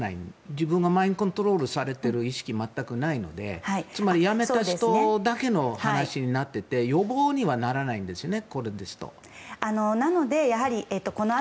自分がマインドコントロールをされている意識はないのでやめた人だけの話になっていて予防にはならないんですよね